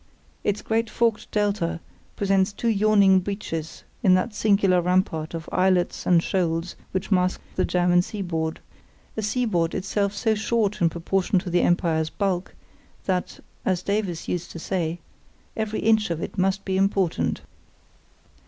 Its great forked delta presents two yawning breaches in that singular rampart of islets and shoals which masks the German seaboard—a seaboard itself so short in proportion to the empire's bulk, that, as Davies used to say, "every inch of it must be important."